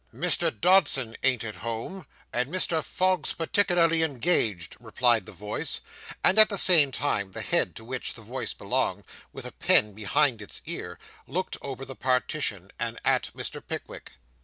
'Mr. Dodson ain't at home, and Mr. Fogg's particularly engaged,' replied the voice; and at the same time the head to which the voice belonged, with a pen behind its ear, looked over the partition, and at Mr. Pickwick.